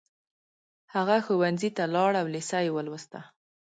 هغه ښوونځي ته لاړ او لېسه يې ولوسته